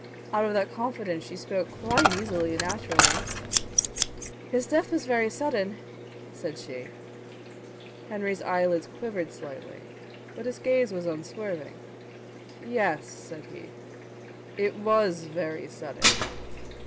Out of that confidence she spoke quite easily and naturally. "His death was very sudden," said she. Henry's eyelids quivered slightly but his gaze was unswerving. "Yes," said he; "it was very sudden.